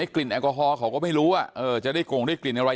แอลกอฮอลเขาก็ไม่รู้ว่าจะได้กงได้กลิ่นอะไร